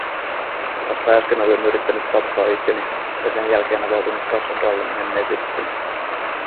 vasta äsken olin yrittänyt tappaa itseni, ja sen jälkeen avautunut Cassandralle menneisyydestäni.